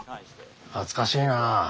懐かしいなあ。